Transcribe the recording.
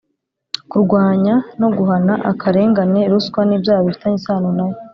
kurwanya no guhana akarengane, ruswa n’ibyaha bifitanye isano na yo.